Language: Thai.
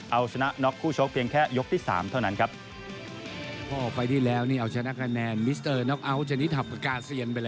เอาชนะน็อกคู่ชกเพียงแค่ยกที่สามเท่านั้นครับ